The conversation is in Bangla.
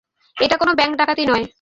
এটা কোনো ব্যাংক ডাকাতি নয়।